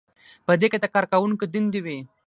په دې کې د کارکوونکي دندې وي.